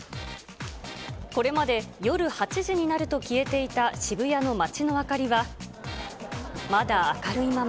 これまで夜８時になると消えていた渋谷の街の明かりは、まだ明るいまま。